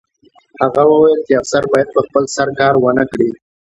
هغه وویل چې افسر باید په خپل سر کار ونه کړي